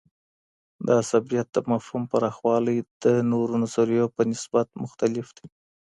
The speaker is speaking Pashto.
د عصبيت د مفهوم پراخوالی د نورو نظریو په نسبت مختلف دی.